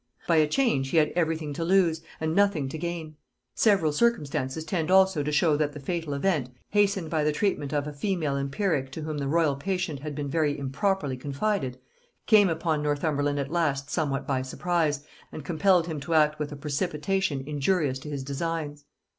By a change he had every thing to lose, and nothing to gain. Several circumstances tend also to show that the fatal event, hastened by the treatment of a female empiric to whom the royal patient had been very improperly confided, came upon Northumberland at last somewhat by surprise, and compelled him to act with a precipitation injurious to his designs.